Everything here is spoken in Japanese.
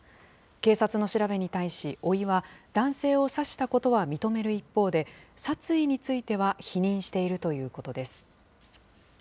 警察の調べに対し、おいは、男性を刺したことは認める一方で、殺意については否認しているということです。